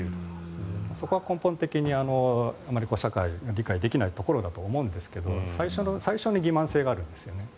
そこは根本的にあまり社会が理解できないところだと思うんですが最初に欺瞞性があるんですよね。